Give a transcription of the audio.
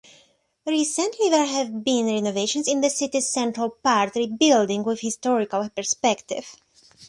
Recently, there have been renovations in the city's central part, rebuilding with historical perspective.